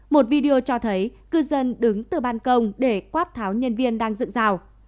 một video cho thấy cư dân đứng từ ban công để quát tháo nhân viên đang dựng rào